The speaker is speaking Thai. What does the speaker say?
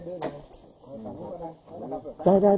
มันก็ไม่ได้เดินออก